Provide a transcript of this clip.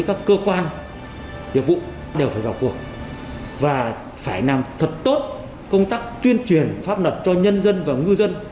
các cơ quan nghiệp vụ đều phải vào cuộc và phải làm thật tốt công tác tuyên truyền pháp luật cho nhân dân và ngư dân